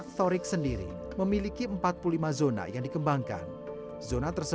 topik sifat penjara ekologi